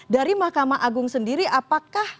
dari mahkamah agung sendiri apakah